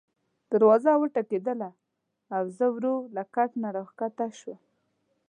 دروازه وټکېدله او زه ورو له کټ نه راکښته شوم.